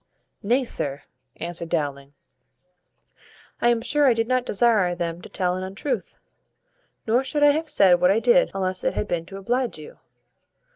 "Nay, sir," answered Dowling, "I am sure I did not desire them to tell an untruth; nor should I have said what I did, unless it had been to oblige you."